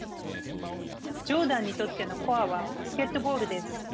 ジョーダンにとってのコアはバスケットボールです。